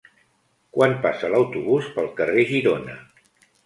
Quan passa l'autobús pel carrer Girona?